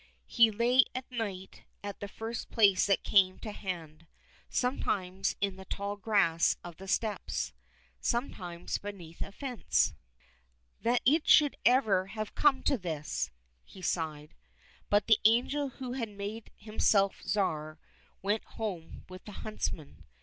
He lay at night at the first place that came to hand, sometimes in the tall grass of the steppes, sometimes beneath a fence. That it should ever have come to this !" he sighed. But the angel who had made himself Tsar went home with the huntsmen.